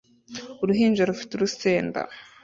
Uruhinja rufite urusenda